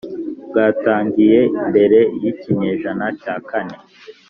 bwatangiye mbere y ikinyejana cya kane